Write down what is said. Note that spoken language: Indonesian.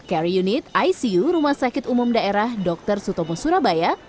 care unit icu rumah sakit umum daerah dr sutomo surabaya